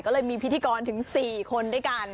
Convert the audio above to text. ก็เลยมีพิธีกรถึง๔คนด้วยกัน